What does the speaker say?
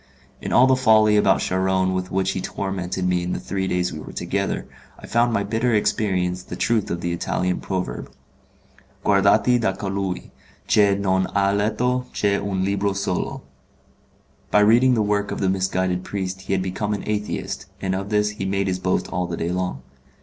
In all the folly about Charron with which he tormented me in the three days we were together, I found by bitter experience the truth of the Italian proverb: 'Guardati da colui che non ha letto che un libro solo'. By reading the work of the misguided priest he had become an Atheist, and of this he made his boast all the day long.